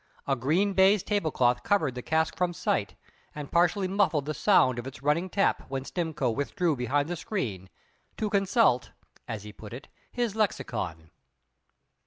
A green baize tablecloth covered the cask from sight, and partially muffled the sound of its running tap when Stimcoe withdrew behind the screen, to consult (as he put it) his lexicon.